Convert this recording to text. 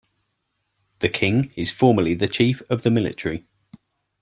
The King is formally the chief of the military.